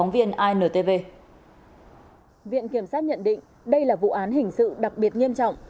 viện kiểm sát nhận định đây là vụ án hình sự đặc biệt nghiêm trọng